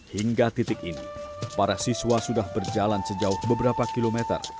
hingga titik ini para siswa sudah berjalan sejauh beberapa kilometer